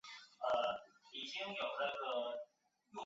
但后来逐渐跟巴布亚新几内亚融合。